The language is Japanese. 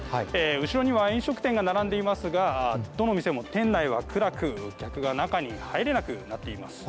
後ろには飲食店が並んでいますがどの店も店内は暗く客が中に入れなくなっています。